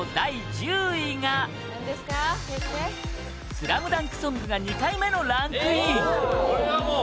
『スラムダンク』ソングが２回目のランクイン岩井：これは、もう！